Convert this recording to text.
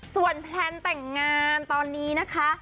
ส่วนแพลนแต่งงานตอนนี้นะคะ